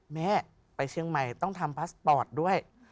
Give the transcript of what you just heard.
แม่ไปเชียงใหม่ต้องทำพาสปอร์ตด้วย